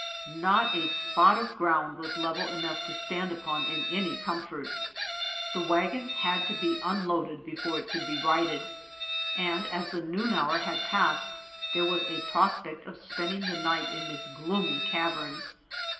Not a spot of ground was level enough to stand upon in any comfort. The wagon had to be unloaded before it could be righted, and as the noon hour had passed there was a prospect of spending the night in this gloomy cavern.